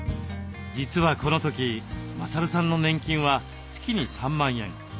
実はこの時勝さんの年金は月に３万円。